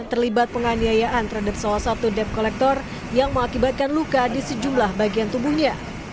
terlibat penganiayaan terhadap seorang depkolektor yang mengakibatkan luka di sejumlah bagian tubuhnya